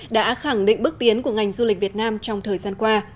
đã khẳng định bước tiến của ngành du lịch việt nam trong thời gian qua